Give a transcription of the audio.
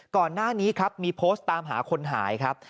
ก่อนหน้านี้ครับมีโพสต์ตามหาคนหายครับ